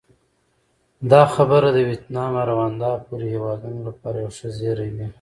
دا خبره د ویتنام او روندا پورې هېوادونو لپاره یو ښه زېری وي.